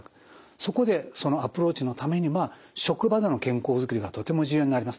そこでそのアプローチのためにまあ職場での健康づくりがとても重要になります。